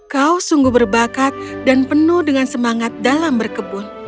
kau sungguh berbakat dan penuh dengan semangat dalam berkebun